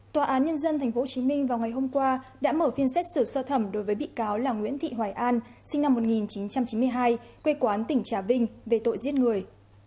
tòa án nhân dân tp hcm vào ngày hôm qua đã mở phiên xét xử sơ thẩm đối với bị cáo là nguyễn thị hoài an sinh năm một nghìn chín trăm chín mươi hai quê quán tỉnh trà vinh về tội giết người